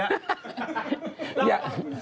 เล่าค่ะ